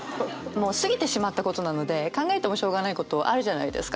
もう過ぎてしまったことなので考えてもしょうがないことあるじゃないですか。